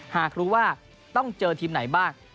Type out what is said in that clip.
หากรู้ว่าต้องเจอทีมไหนบ้าง